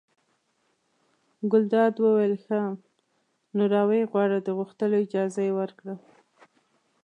ګلداد وویل ښه! نو را ویې غواړه د غوښتلو اجازه یې ورکړه.